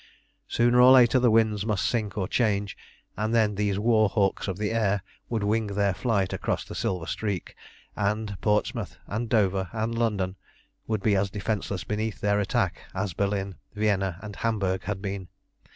Sooner or later the winds must sink or change, and then these war hawks of the air would wing their flight across the silver streak, and Portsmouth, and Dover, and London would be as defenceless beneath their attack as Berlin, Vienna, and Hamburg had been.